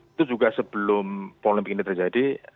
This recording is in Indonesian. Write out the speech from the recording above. itu juga sebelum polemik ini terjadi